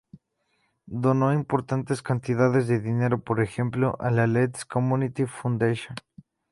Donó importantes cantidades de dinero por ejemplo a la Leeds Community Foundation.